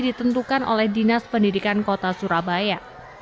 ditentukan oleh dinas pendidikan kota surabaya